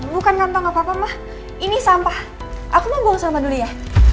bukan kantong apa apa mah ini sampah aku mau buang sampah dulu ya